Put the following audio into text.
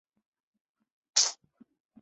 圣皮耶尔多里拉克。